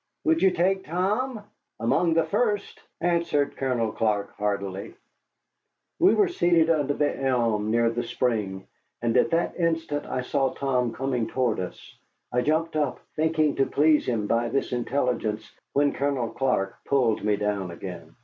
"Would you take Tom?" "Among the first," answered Colonel Clark, heartily. We were seated under the elm near the spring, and at that instant I saw Tom coming toward us. I jumped up, thinking to please him by this intelligence, when Colonel Clark pulled me down again.